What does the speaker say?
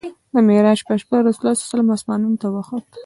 د معراج په شپه رسول الله اسمانونو ته وخوت.